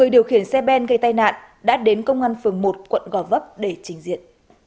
điều khiển xe ben gây tai nạn đã đến công an phường một quận gò vấp để trình diện